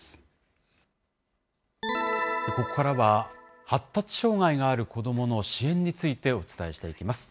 ここからは、発達障害がある子どもの支援についてお伝えしていきます。